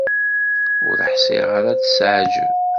Ur ḥṣiɣ ara ad s-teɛǧeb.